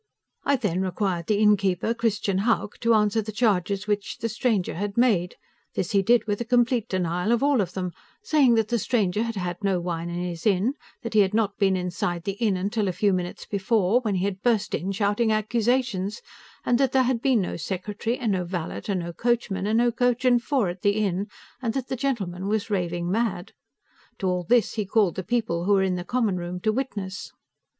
I then required the innkeeper, Christian Hauck, to answer the charges which the stranger had made; this he did with a complete denial of all of them, saying that the stranger had had no wine in his inn, and that he had not been inside the inn until a few minutes before, when he had burst in shouting accusations, and that there had been no secretary, and no valet, and no coachman, and no coach and four, at the inn, and that the gentleman was raving mad. To all this, he called the people who were in the common room to witness.